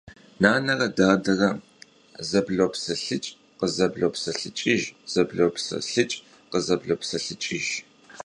Нанэрэ дадэрэ зэблопсэлъыкӏ – къызэблопсэлъыкӏыж, зэблопсэлъыкӏ – къызэблопсэлъыкӏыж.